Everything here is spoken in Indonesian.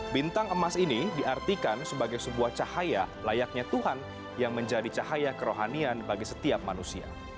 bintang emas ini diartikan sebagai sebuah cahaya layaknya tuhan yang menjadi cahaya kerohanian bagi setiap manusia